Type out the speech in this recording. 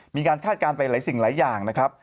คาดการณ์ไปหลายสิ่งหลายอย่างนะครับ